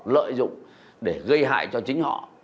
lợi dụng để gây hại cho chính họ